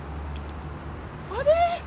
あれ！？